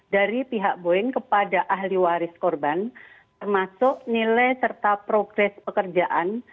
dari pihak boeing kepada ahli waris korban termasuk nilai serta progres pekerjaan